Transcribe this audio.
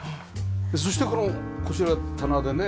そしてこのこちら棚でね